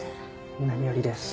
何よりです。